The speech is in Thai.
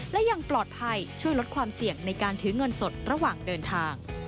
และยังปลอดภัยช่วยลดความเสี่ยงในการถือเงินสดระหว่างเดินทาง